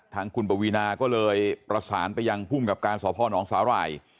ทางคุณปวีนาก็เลยประสานไปยังภูมิกับการสพนสาหร่าย